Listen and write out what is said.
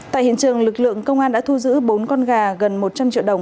tại hiện trường lực lượng công an đã thu giữ bốn con gà gần một trăm linh triệu đồng